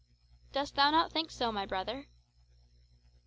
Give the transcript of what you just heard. "Dost thou not think so, my brother?"